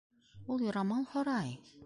Ул юрамал һорай!